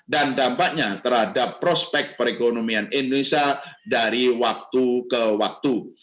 dan dampaknya terhadap prospek perekonomian indonesia dari waktu ke waktu